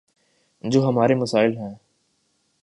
جو ہمارے مسائل ہیں۔